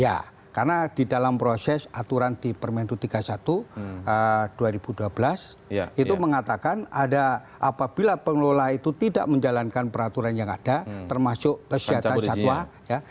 ya karena di dalam proses aturan di permen itu tiga puluh satu dua ribu dua belas itu mengatakan ada apabila pengelola itu tidak menjalankan peraturan yang ada termasuk kesehatan jadwal ya